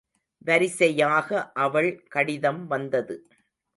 வரிசையாக அவள் கடிதம் வந்தது.